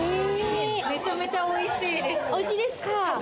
めちゃめちゃ美味しいです。